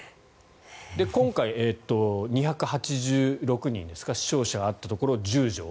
今回、２８６人ですか死傷者があったところ１０畳。